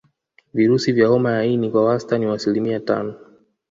Virusi vya homa ya ini kwa wastani wa asilimia tano